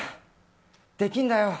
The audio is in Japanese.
できんだよ。